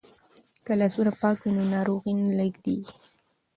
که لاسونه پاک وي نو ناروغي نه لیږدیږي.